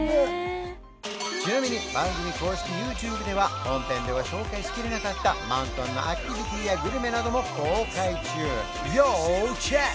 ちなみに番組公式ＹｏｕＴｕｂｅでは本編では紹介しきれなかったマントンのアクティビティやグルメなども公開中要チェック！